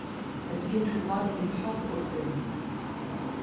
I begin to want impossible things.